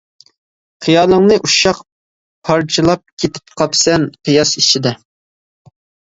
خىيالىڭنى ئۇششاق پارچىلاپ، كېتىپ قاپسەن قىياس ئىچىدە.